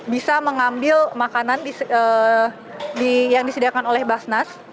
bisa mengambil makanan yang disediakan oleh basnas